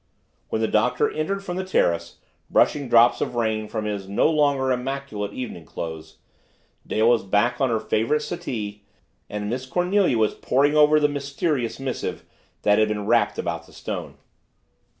When the Doctor entered from the terrace, brushing drops of rain from his no longer immaculate evening clothes, Dale was back on her favorite settee and Miss Cornelia was poring over the mysterious missive that had been wrapped about the stone.